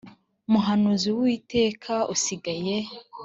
muhanuzi w Uwiteka usigaye